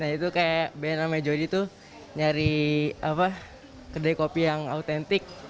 nah itu kayak bena dan jody tuh nyari kedai kopi yang otentik